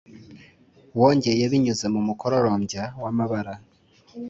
wongeye binyuze mumukororombya wamabara